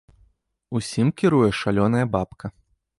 Усім кіруе шалёная бабка.